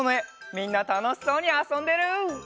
みんなたのしそうにあそんでる！